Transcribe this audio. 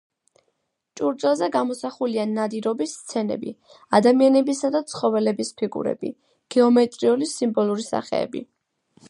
ჭურჭელზე გამოსახულია ნადირობის სცენები, ადამიანებისა და ცხოველების ფიგურები, გეომეტრიული სიმბოლური სახეები.